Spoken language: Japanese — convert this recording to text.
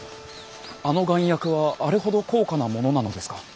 あの丸薬はあれほど高価なものなのですか？